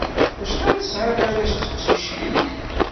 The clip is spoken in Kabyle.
Acḥal i tesɛiḍ arrac d teqcicin?